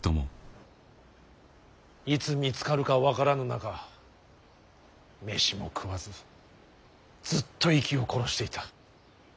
いつ見つかるか分からぬ中飯も食わずずっと息を殺していた。